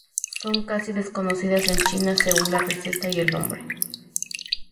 Son casi desconocidas en China, según la receta y el nombre.